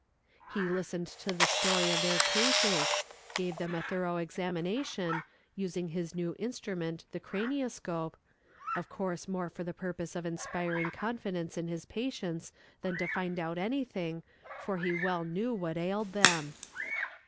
He listened to the history of their cases, gave them a thorough examination, using his new instrument, the cranioscope of course more for the purpose of inspiring confidence in his patients than to find out anything; for he well knew what ailed them.